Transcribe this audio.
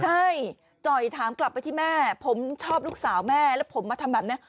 ใช่จ่อยถามกลับไปที่แม่ผมชอบลูกสาวแม่แล้วผมมาทำแบบนี้